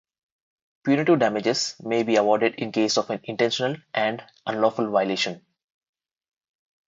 Punitive damages may be awarded in case of an intentional and unlawful violation.